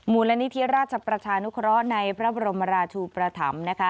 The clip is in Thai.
มูลนิธิราชประชานุเคราะห์ในพระบรมราชูประถำนะคะ